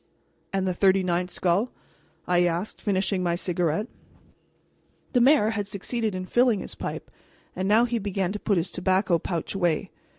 "And the thirty ninth skull?" I asked, finishing my cigarette. The mayor had succeeded in filling his pipe, and now he began to put his tobacco pouch away.